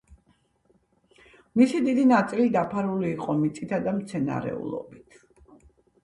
მისი დიდი ნაწილი დაფარული იყო მიწითა და მცენარეულობით.